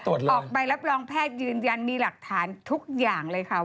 ออกใบรับรองแพทย์ยืนยันมีหลักฐานทุกอย่างเลยค่ะ